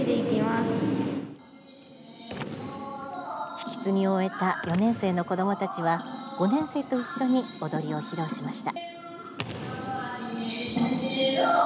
引き継ぎを終えた４年生の子どもたちは５年生と一緒に踊りを披露しました。